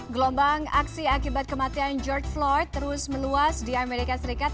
gelombang aksi akibat kematian george floyd terus meluas di amerika serikat